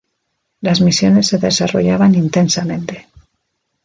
Las misiones se desarrollaban intensamente.